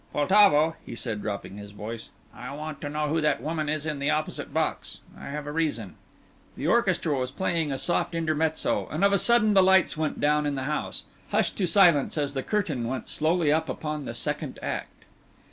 "Poltavo," he said, dropping his voice, "I want to know who that woman is in the opposite box I have a reason." The orchestra was playing a soft intermezzo, and of a sudden the lights went down in the house, hushed to silence as the curtain went slowly up upon the second act.